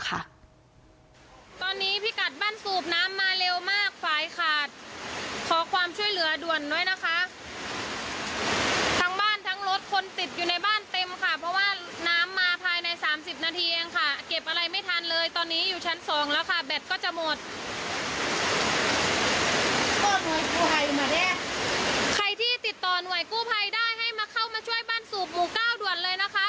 ใครที่ติดต่อหน่วยกู้ภัยได้ให้มาเข้ามาช่วยบ้านสูบหมู่เก้าด่วนเลยนะคะ